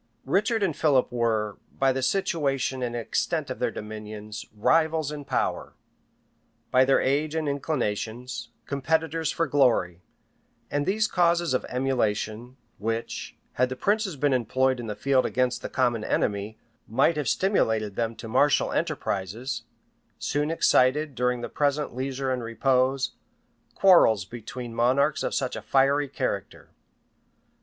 Richard and Philip were, by the situation and extent of their dominions, rivals in power; by their age and inclinations, competitors for glory; and these causes of emulation, which, had the princes been employed in the field against the common enemy, might have stimulated them to martial enterprises, soon excited, during the present leisure and repose, quarrels between monarchs of such a fiery character.